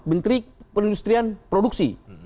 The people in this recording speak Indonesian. menteri perindustrian produksi